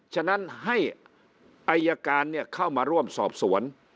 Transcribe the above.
ฉะนั้นให้อายการเข้ามาร่วมสอบสวน